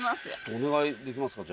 お願いできますか？